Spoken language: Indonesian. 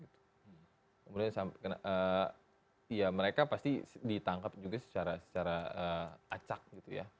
kemudian ya mereka pasti ditangkap juga secara acak gitu ya